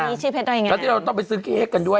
ร้านนี้ชื่อเพชรดอยงามแล้วที่เราต้องไปซื้อเค้กกันด้วย